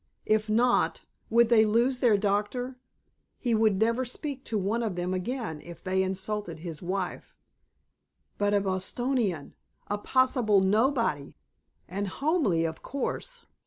If not, would they lose their doctor. He would never speak to one of them again if they insulted his wife. But a Bostonian, a possible nobody! And homely, of course.